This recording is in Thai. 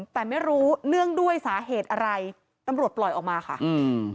แต่ไม่รู้เนื่องด้วยสาเหตุอะไรตำรวจปล่อยออกมาค่ะอืม